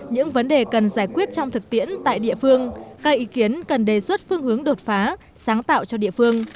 những vấn đề cần giải quyết trong thực tiễn tại địa phương các ý kiến cần đề xuất phương hướng đột phá sáng tạo cho địa phương